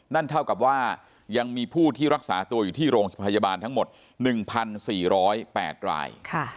นั่นเท่ากับว่ายังมีผู้ที่รักษาตัวอยู่ที่โรงพยาบาลทั้งหมด๑๔๐๘ราย